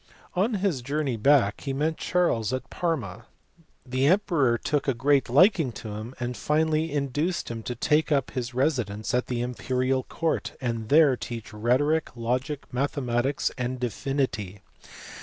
On his journey back he met Charles at Parma; the emperor took a great liking to him, and finally induced him to take up his residence at the imperial court, and there teach rhetoric, logic, mathematics, and divinity.